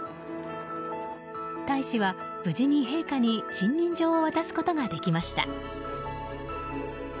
大使は無事に陛下に信任状を渡すことができました。